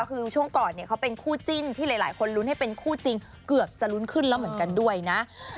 คือช่วงก่อนเนี่ยเขาเป็นคู่จิ้นที่หลายคนลุ้นให้เป็นคู่จิ้น